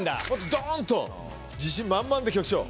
ドンと自信満々で局長。